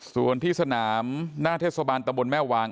ส่วนที่สนามหน้าเทศบาลตะบนแม่วาง